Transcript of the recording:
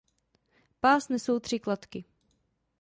Pás nesou tři kladky.